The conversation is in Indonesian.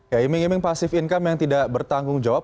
ya eming eming pasif income yang tidak bertanggung jawab